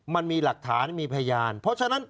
มันมีหลักฐานมีพยานเพราะฉะนั้น